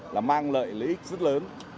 là mang lợi lợi ích rất lớn